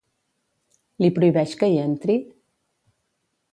Li prohibeix que hi entri?